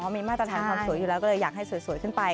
มีมาตรฐานความสวยอยู่แล้วก็เลยอยากให้สวยขึ้นไป